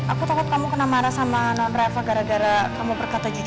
aku takut kamu kena marah sama non rafa gara gara kamu berkata jujur